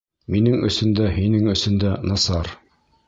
Минең өсөн дә, һинең өсөн дә насар.